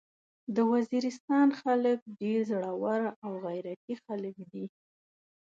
د وزيرستان خلک ډير زړور او غيرتي خلک دي.